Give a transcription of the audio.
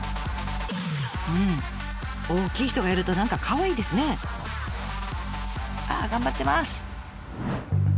うん大きい人がやると何かかわいいですね。ああ頑張ってます。